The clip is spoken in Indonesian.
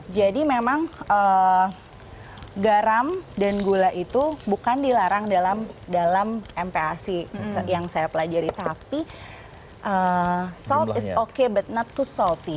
boleh jadi memang garam dan gula itu bukan dilarang dalam mpa c yang saya pelajari tapi salt is okay but not too salty